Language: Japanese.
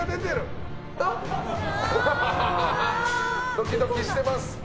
ドキドキしています。